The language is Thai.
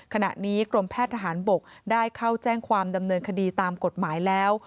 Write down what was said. ขณะนี้กรมแพทย์ทหารบกได้เข้าแจ้งความดำเนินคดีตามกฎหมายแล้ว